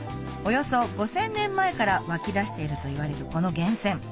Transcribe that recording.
およそ５０００年前から湧き出しているといわれるこの源泉